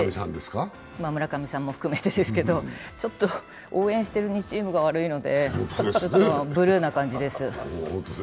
村上さんも含めてですがちょっと応援している２チームが悪いのでブルーな感じです。